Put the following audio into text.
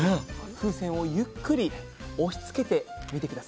風船をゆっくり押しつけてみてください。